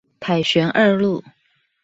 凱旋二路